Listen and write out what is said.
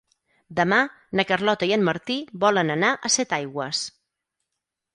Demà na Carlota i en Martí volen anar a Setaigües.